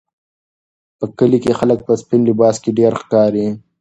په کلي کې خلک په سپین لباس کې ډېر ښکاري.